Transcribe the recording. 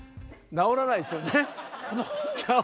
直らないですよね。